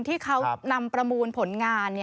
ที่เขานำประมูลผลงาน